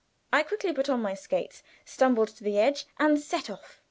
I quickly put on my skates stumbled to the edge, and set off.